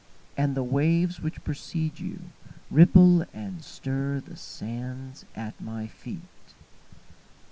And the waves which precede youRipple and stirThe sands at my feet.